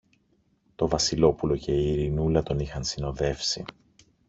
Το Βασιλόπουλο και η Ειρηνούλα τον είχαν συνοδεύσει.